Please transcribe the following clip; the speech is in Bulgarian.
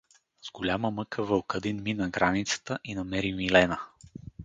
С голяма мъка Вълкадин мина границата и намери Милена.